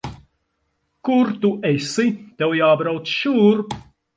Kur tu esi? Tev jābrauc šurp.